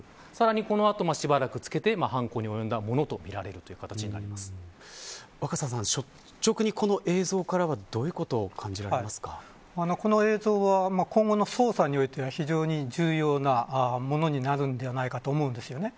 さらに、この後、しばらくつけて犯行に及んだものとみられる率直にこの映像からはこの映像は今後の捜査においては非常に重要なものになるのではないかと思うんですよね。